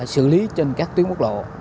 xử lý trên các tuyến bốc lộ